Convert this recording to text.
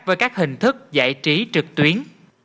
với các hình thức giải trí trực tuyến